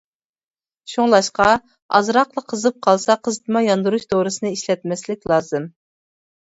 شۇڭلاشقا، ئازراقلا قىزىپ قالسا قىزىتما ياندۇرۇش دورىسىنى ئىشلەتمەسلىك لازىم.